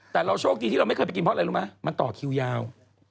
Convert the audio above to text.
แต่เราโชคดีที่เราไม่เคยไปกินเพราะอะไรรู้ไหมมันต่อคิวยาว